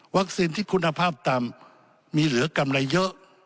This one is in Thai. ที่คุณภาพต่ำมีเหลือกำไรเยอะ